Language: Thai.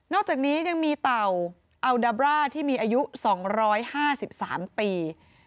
อกจากนี้ยังมีเต่าอัลดาบร่าที่มีอายุ๒๕๓ปี